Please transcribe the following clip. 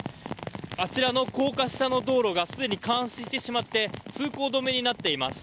あちらの高架下の道路がすでに冠水してしまって通行止めになっています。